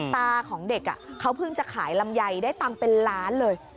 ตาของเด็กเขาเพิ่งจะขายลำไยได้ตังค์เป็นล้านเลย